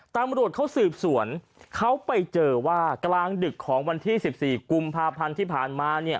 ตำรวจเขาสืบสวนเขาไปเจอว่ากลางดึกของวันที่๑๔กุมภาพันธ์ที่ผ่านมาเนี่ย